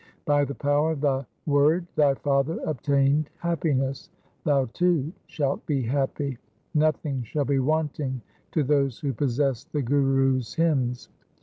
By the power of the Word thy father obtained happiness. Thou too shalt be happy. Nothing shall be wanting to those who possess the Gurus' hymns.